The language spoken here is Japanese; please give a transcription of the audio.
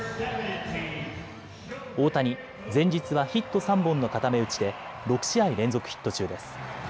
大谷、前日はヒット３本の固め打ちで６試合連続ヒット中です。